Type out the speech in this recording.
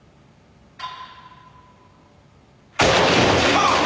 あっ！